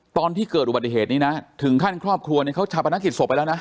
ตอนที่เกิดอุบัติเหตุนี้นะถึงขั้นครอบครัวเนี่ยเขาชาปนกิจศพไปแล้วนะ